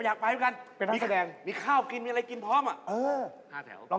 อยากไปเห้ยกันไม่ครบกินมีอะไรกินพร้อมอ่ะเป็นนักแสดง